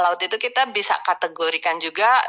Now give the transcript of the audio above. laut itu kita bisa kategorikan juga